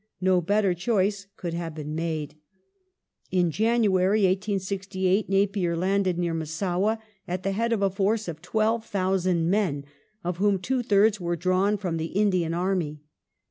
No better choice could have been made. In January, 1868, Napier landed near Massowah, at the head of a force of 12,000 men, of whom two thirds were drawn from the Indian army.